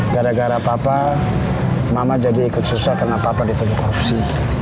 gara gara papa mama jadi ikut susah karena papa diturunkan korupsi